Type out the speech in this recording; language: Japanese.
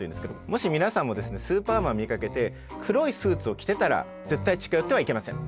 もし皆さんもスーパーマン見かけて黒いスーツを着てたら絶対近寄ってはいけません。